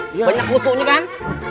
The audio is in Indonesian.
banyak kutu nih kan